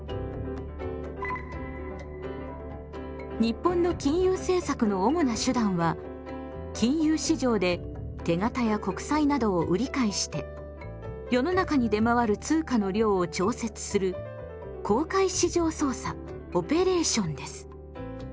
日本の金融政策の主な手段は金融市場で手形や国債などを売り買いして世の中に出回る通貨の量を調節する公開市場操作です。